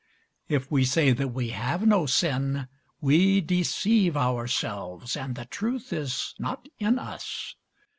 If we say that we have no sin, we deceive ourselves, and the truth is not in us.